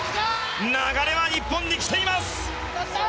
流れは日本にきています！